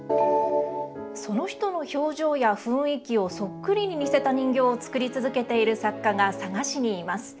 その人の表情や雰囲気をそっくりに似せた人形を作り続けている作家が佐賀市にいます。